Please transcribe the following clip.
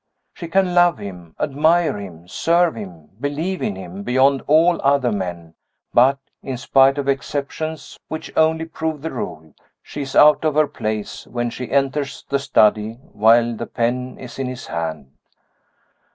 She can love him, admire him, serve him, believe in him beyond all other men but (in spite of exceptions which only prove the rule) she is out of her place when she enters the study while the pen is in his hand.